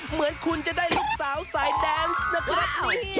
เหมือนคุณจะได้ลูกสาวสายแดนส์นะครับ